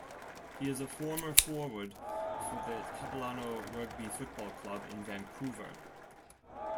He is a former forward for the Capilano Rugby Football Club in Vancouver.